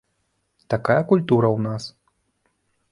Такая культура ў нас.